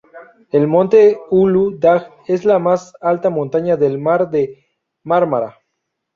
El monte Ulu Dag es la más alta montaña del mar de Mármara.